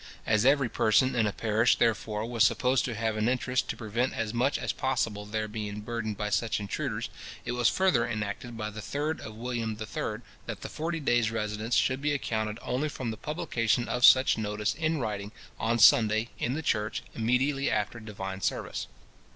As every person in a parish, therefore, was supposed to have an interest to prevent as much as possible their being burdened by such intruders, it was further enacted by the 3rd of William III. that the forty days residence should be accounted only from the publication of such notice in writing on Sunday in the church, immediately after divine service.